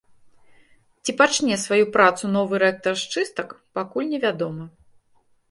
Ці пачне сваю працу новы рэктар з чыстак, пакуль не вядома.